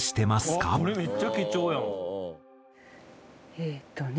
えっとね